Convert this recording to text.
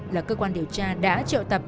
là cơ quan điều tra đã triệu tập